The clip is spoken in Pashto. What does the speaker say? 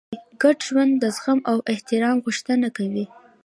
ګډ ژوند د زغم او احترام غوښتنه کوي.